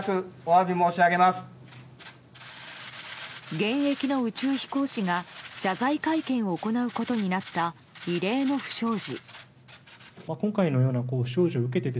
現役の宇宙飛行士が謝罪会見を行うことになった異例の不祥事。